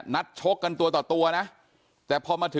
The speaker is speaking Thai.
นัดชกกันตัวต่อนะ